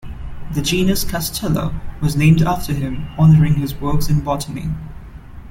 The genus "Castela" was named after him, honoring his works in botany.